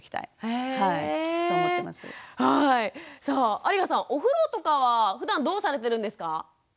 さあ有我さんお風呂とかはふだんどうされてるんですか？